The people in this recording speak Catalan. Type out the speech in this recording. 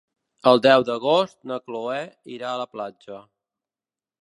El deu d'agost na Cloè irà a la platja.